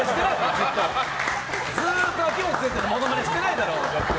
ずっと秋元先生のものまねしてないだろ！